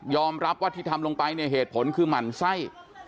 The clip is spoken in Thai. รับว่าที่ทำลงไปเนี่ยเหตุผลคือหมั่นไส้